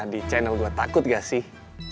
di china gue takut gak sih